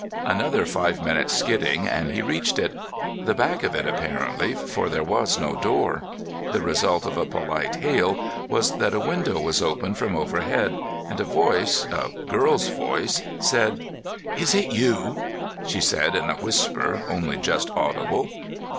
Another five minutes' skidding and he reached it. The back of it apparently, for there was no door. The result of a polite hail was that a window was opened from overhead, and a voice—a girl's voice—said: "Is it you?" She said it in a whisper, only just audible.